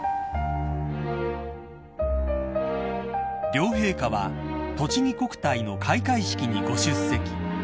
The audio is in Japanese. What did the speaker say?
［両陛下はとちぎ国体の開会式にご出席］